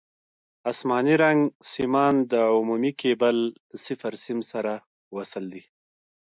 اسماني رنګ سیمان د عمومي کیبل له صفر سیم سره وصل دي.